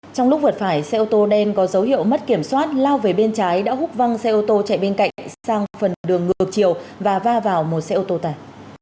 trong lúc vượt phải xe ô tô đen có dấu hiệu mất kiểm soát lao về bên trái đã hút văng xe ô tô chạy bên cạnh sang phần đường ngược chiều và va vào một xe ô tô tải